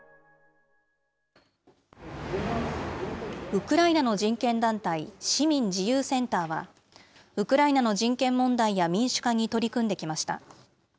ウクライナの人権団体、市民自由センターは、ウクライナの人権問題や民主化に取り組んできました。